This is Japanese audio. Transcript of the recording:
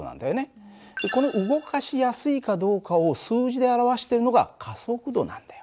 この動かしやすいかどうかを数字で表してるのが加速度なんだよ。